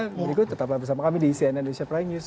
berikut tetaplah bersama kami di cnn indonesia prime news